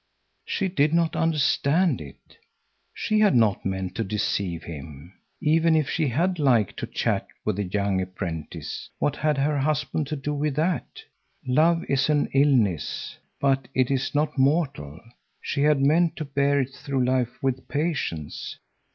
She did not understand it. She had not meant to deceive him. Even if she had liked to chat with the young apprentice, what had her husband to do with that? Love is an illness, but it is not mortal. She had meant to bear it through life with patience.